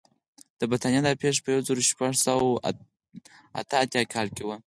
د برېټانیا دا پېښه په یو زرو شپږ سوه اته اتیا کال کې وه.